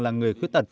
là người khuyết tật